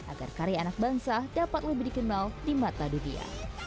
agar karya anak bangsa dapat lebih dikenal di mata dunia